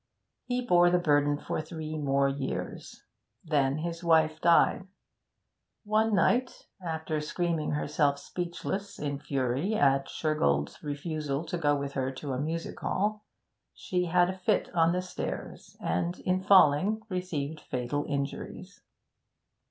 He bore the burden for three more years, then his wife died. One night, after screaming herself speechless in fury at Shergold's refusal to go with her to a music hall, she had a fit on the stairs, and in falling received fatal injuries.